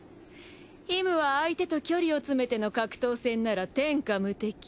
ヒムは相手と距離を詰めての格闘戦なら天下無敵。